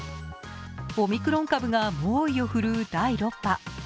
オミクロン株が猛威を振るう第６波。